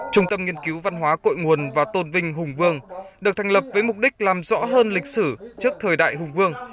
trung tâm nghiên cứu văn hóa cội nguồn và tôn vinh hùng vương được thành lập với mục đích làm rõ hơn lịch sử trước thời đại hùng vương